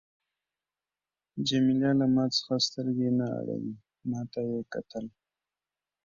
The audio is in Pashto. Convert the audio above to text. جميله له ما څخه سترګې نه اړولې، ما ته یې کتل.